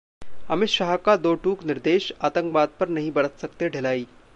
अमित शाह का दो टूक निर्देश, आतंकवाद पर नहीं बरत सकते ढिलाई